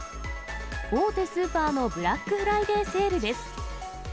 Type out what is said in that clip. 大手スーパーのブラックフライデーセールです。